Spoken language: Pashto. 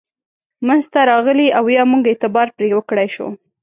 منځته راغلي او یا موږ اعتبار پرې وکړای شو.